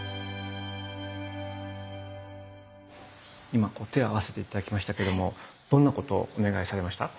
今こう手を合わせて頂きましたけどもどんなことをお願いされました？